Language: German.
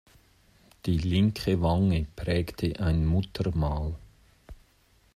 Die linke Wange prägte ein Muttermal.